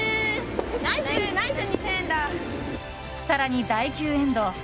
更に第９エンド。